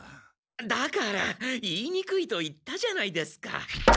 だから言いにくいと言ったじゃないですか。